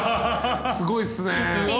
すごいっすね。